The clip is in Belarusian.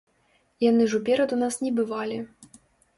Яны ж уперад у нас не бывалі.